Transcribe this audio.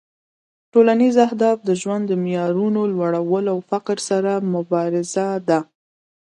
ټولنیز اهداف د ژوند معیارونو لوړول او فقر سره مبارزه ده